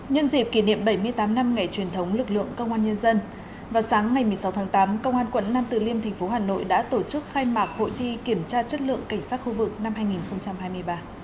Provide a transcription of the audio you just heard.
nhân dịp kỷ niệm bảy mươi tám năm ngày truyền thống lực lượng công an nhân dân vào sáng ngày một mươi sáu tháng tám công an quận nam từ liêm thành phố hà nội đã tổ chức khai mạc hội thi kiểm tra chất lượng cảnh sát khu vực năm hai nghìn hai mươi ba